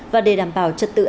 và để đảm bảo trật tự an toàn